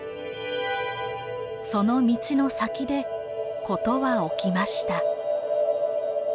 その道の先で事は起きました。